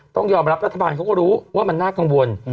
ต้องยอมรับรัฐบาลเขาก็รู้ว่ามันน่ากังวล